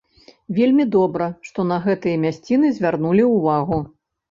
Вельмі добра, што на гэтыя мясціны звярнулі ўвагу.